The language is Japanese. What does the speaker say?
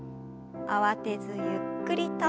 慌てずゆっくりと。